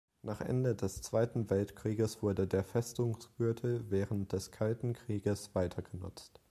Nach Ende des Zweiten Weltkrieges wurde der Festungsgürtel während des Kalten Krieges weitergenutzt.